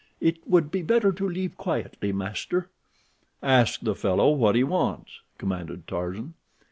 It would be better to leave quietly, master." "Ask the fellow what he wants," commanded Tarzan.